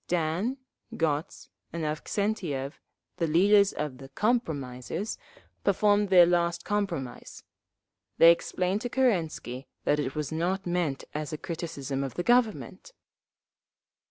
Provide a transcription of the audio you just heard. Dan, Gotz and Avksentiev, the leaders of the "compromisers," performed their last compromise…. They explained to Kerensky that it was not meant as a criticism of the Government!